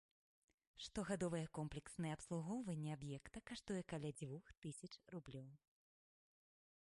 Штогадовае комплекснае абслугоўванне аб'екта каштуе каля дзвюх тысяч рублёў.